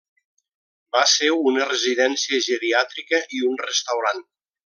Va ser una residència geriàtrica i un restaurant.